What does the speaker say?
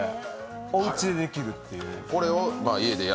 おうちでできるっていう。